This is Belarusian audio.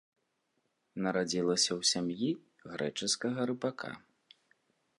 Нарадзілася ў сям'і грэчаскага рыбака.